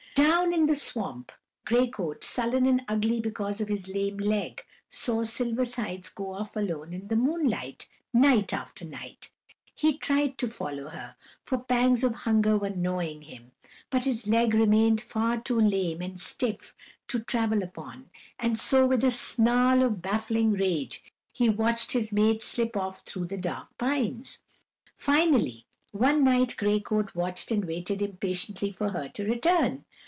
Down in the swamp Gray Coat, sullen and ugly because of his lame leg, saw Silver Sides go off alone in the moonlight, night after night. He tried to follow her, for pangs of hunger were gnawing him, but his leg remained far too lame and stiff to travel upon, and so with a snarl of baffled rage he watched his mate slip off through the dark pines. Finally one night Gray Coat watched and waited impatiently for her to return.